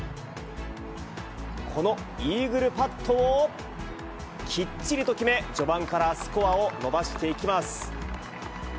このイーグルパットをきっちりと決め、序盤からスコアを伸ばしていきます。